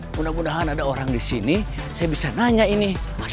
mudah mudahan ada orang disini saya bisa nanya ini